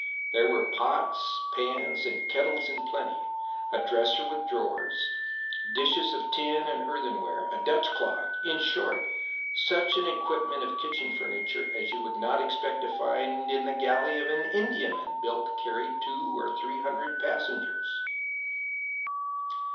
There were pots, pans, and kettles in plenty, a dresser with drawers, dishes of tin and earthenware, a Dutch clock in short, such an equipment of kitchen furniture as you would not expect to find in the galley of an Indiaman built to carry two or three hundred passengers.